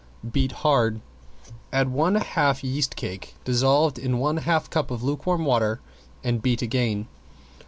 Beat hard, add one half yeast cake, dissolved in one half cup of lukewarm water and beat again.